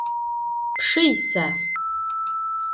Pşşı yisa?